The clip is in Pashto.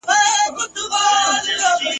آیا د ملالي خپلوان په سینګران کي دي؟